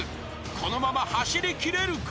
［このまま走りきれるか？］